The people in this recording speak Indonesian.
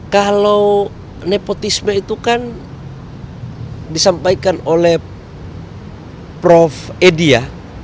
kalau nepotisme itu kan disampaikan oleh prof edi ya